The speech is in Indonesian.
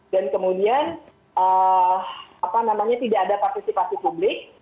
dan kemudian tidak ada partisipasi publik